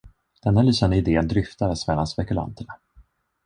Denna lysande idé dryftades mellan spekulanterna.